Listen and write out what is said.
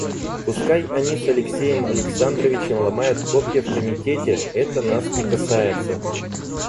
Пускай они с Алексеем Александровичем ломают копья в комитете, это нас не касается.